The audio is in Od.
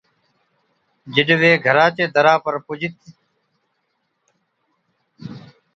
جِڏ وي گھرا چي دَرا پر پُجلي